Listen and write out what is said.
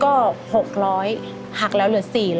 ก็๖๐๐หักแล้วเหลือ๔๐๐